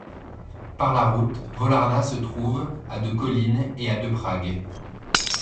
Par la route, Volárna se trouve à de Kolín et à de Prague.